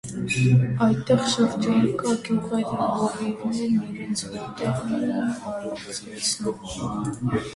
Այդտեղ շրջակա գյուղերի հովիվներն իրենց հոտերն էին արածեցնում։